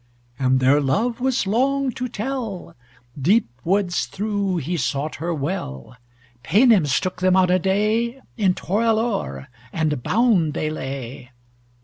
And their love was long to tell Deep woods through he sought her well, Paynims took them on a day In Torelore and bound they lay.